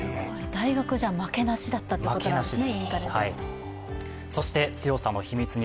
大学では負けなしだったということなんですね。